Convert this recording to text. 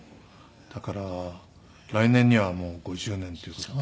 だから来年にはもう５０年という事で。